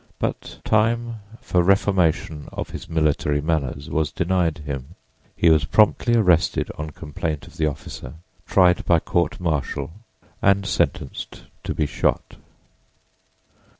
But time for reformation of his military manners was denied him: he was promptly arrested on complaint of the officer, tried by court martial and sentenced to be shot.